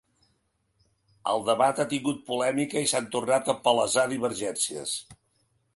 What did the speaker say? El debat ha tingut polèmica i s’han tornat a palesar divergències.